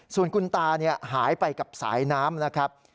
ส่วนคุณตาหายไปกับสายน้ำนะครับ